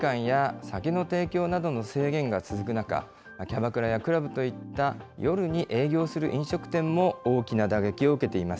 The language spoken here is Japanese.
長引くコロナ禍で営業時間や酒の提供などの制限が続く中、キャバクラやクラブといった夜に営業する飲食店も大きな打撃を受けています。